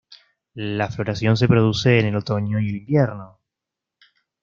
La floración se produce en el otoño y el invierno.